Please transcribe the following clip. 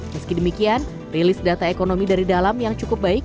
meski demikian rilis data ekonomi dari dalam yang cukup baik